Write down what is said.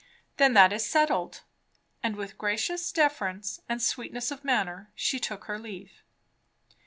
"Then that is settled." And with gracious deference and sweetness of manner she took her leave.